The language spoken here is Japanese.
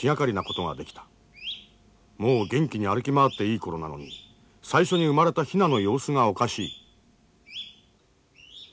もう元気に歩き回っていい頃なのに最初に生まれたヒナの様子がおかしい。